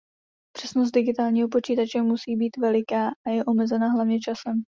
Přesnost digitálního počítače musí být veliká a je omezena hlavně časem.